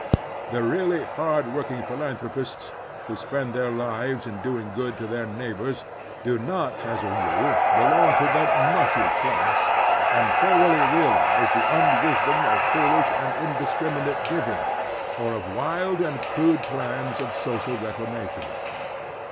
The really hard working philanthropists, who spend their lives in doing good to their neighbors, do not, as a rule, belong to the mushy" class, and thor oughly realize the unwisdom of foolish and indis criminate giving, or of wild and crude plans of social reformations.